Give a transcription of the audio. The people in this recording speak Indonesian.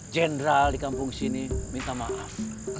jenderal di kampung sini minta maaf